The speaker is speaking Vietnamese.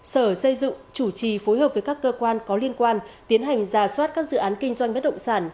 sở xây dựng chủ trì phối hợp với các cơ quan có liên quan tiến hành ra soát các dự án kinh doanh bất động sản